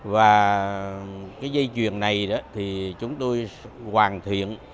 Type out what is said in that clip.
và cái dây chuyền này đó thì chúng tôi hoàn thiện